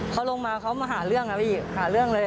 เขาลงมาเขามาหาเรื่องนะพี่หาเรื่องเลย